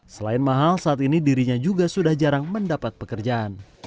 selain mahal saat ini dirinya juga sudah jarang mendapat pekerjaan